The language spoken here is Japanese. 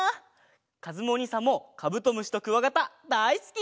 かずむおにいさんもカブトムシとクワガタだいすき！